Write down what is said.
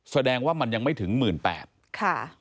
แสดงว่ามันยังไม่ถึง๑๘๐๐บาทค่ะ